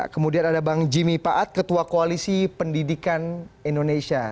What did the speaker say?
kemudian ada bang jimmy paat ketua koalisi pendidikan indonesia